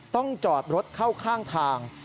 ต้องจอดรถเข้าข้างทาง